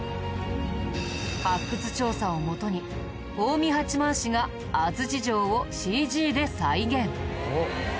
発掘調査をもとに近江八幡市が安土城をＣＧで再現！